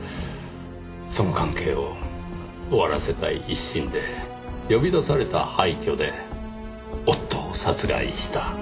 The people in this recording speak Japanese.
その関係を終わらせたい一心で呼び出された廃虚で夫を殺害した。